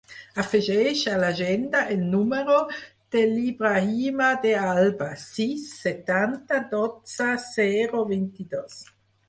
Afegeix a l'agenda el número de l'Ibrahima De Alba: sis, setanta, dotze, zero, vint-i-dos.